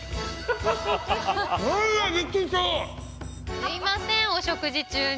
すいませんお食事中に。